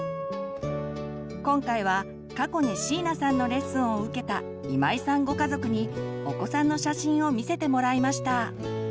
今回は過去に椎名さんのレッスンを受けた今井さんご家族にお子さんの写真を見せてもらいました。